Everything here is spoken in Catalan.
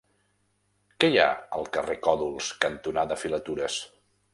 Què hi ha al carrer Còdols cantonada Filatures?